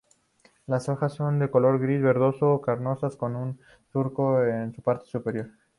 Las hojas son de color gris-verdoso, carnosas, con un surco en su parte superior.